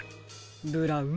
ブラウン